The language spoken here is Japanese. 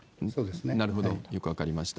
なるほど、よく分かりました。